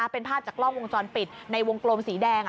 เป็นภาพจากกล้องวงจรปิดในวงกลมสีแดง